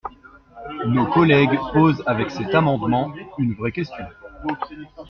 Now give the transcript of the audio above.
Nos collègues posent avec cet amendement une vraie question.